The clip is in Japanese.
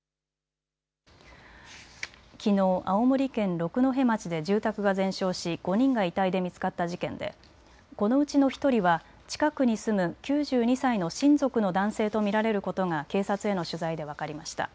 きのう青森県六戸町で住宅が全焼し５人が遺体で見つかった事件でこのうちの１人は近くに住む９２歳の親族の男性と見られることが警察への取材で分かりました。